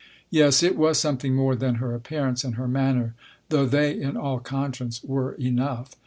Yes : it was something more than her appearance and her manner, though they, in all conscience, were enough.